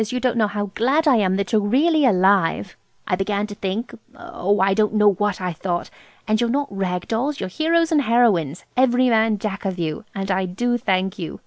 you don't know how glad I am that you're really alive! I began to think–oh–I don't know what I thought! And you're not rag dolls. You're heroes and heroines, every man jack of you. And I do thank you.